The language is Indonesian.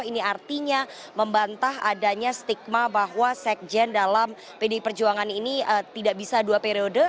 ini artinya membantah adanya stigma bahwa sekjen dalam pdi perjuangan ini tidak bisa dua periode